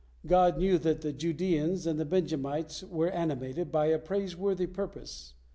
God knew that the Judaeans and the Benjamites were animated by a praiseworthy purpose.